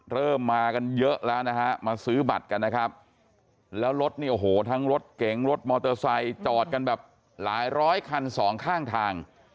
เริ่มมากันเยอะแล้วนะฮะมาซื้อบัตรกันนะครับแล้วรถเนี่ยโอ้โหทั้งรถเก๋งรถมอเตอร์ไซค์จอดกันแบบหลายร้อยคันสองข้างทาง